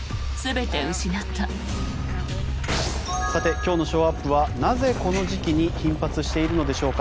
今日のショーアップはなぜ、この時期に頻発しているのでしょうか。